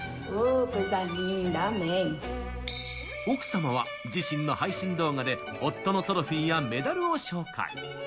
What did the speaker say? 奥様は自身の配信動画で夫のトロフィーやメダルを紹介。